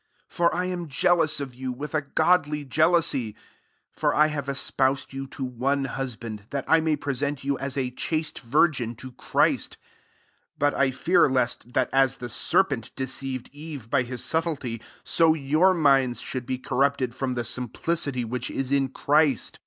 2 For I am jea lous of you, with a godly jea . lousy : for I have espoused you to one husband, that 1 may pre sent you, 08 a chaste virgin, to Christ. 3 But I fear lest, that as the serpent deceived Eve by his subtilty, [so] your minds should be corrupted from the simplicity which is in Christ.